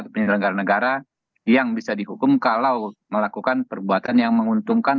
penyelenggara negara yang bisa dihukum kalau melakukan perbuatan yang menguntungkan